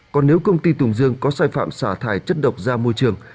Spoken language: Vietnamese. còn nếu công ty tùng dương có sai phạm xả thải chất độc ra môi trường